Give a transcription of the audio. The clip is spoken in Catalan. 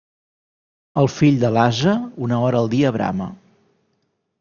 El fill de l'ase, una hora al dia brama.